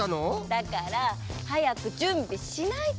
だからはやくじゅんびしないとなの。